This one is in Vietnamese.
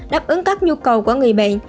đáp ứng các nhu cầu của người bệnh